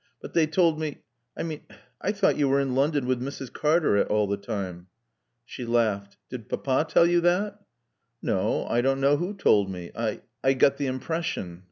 "But they told me I mean I thought you were in London with Mrs. Cartaret, all the time." She laughed. "Did Papa tell you that?" "No. I don't know who told me. I I got the impression."